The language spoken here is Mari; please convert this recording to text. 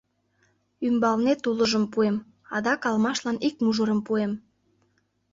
Ӱмбалнет улыжым пуэм, адак алмашлан ик мужырым пуэм.